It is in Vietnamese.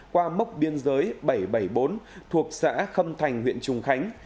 qua mốc biên giới bảy trăm bảy mươi bốn thuộc xã khâm thành huyện trùng khánh